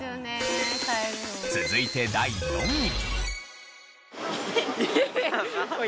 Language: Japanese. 続いて第４位。